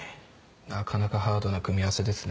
なかなかハードな組み合わせですね。